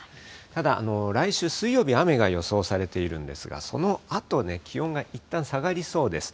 ただ、来週水曜日、雨が予想されているんですが、そのあとね、気温がいったん下がりそうです。